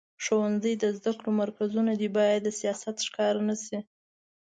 ښوونځي د زده کړو مرکزونه دي، باید د سیاست ښکار نه شي.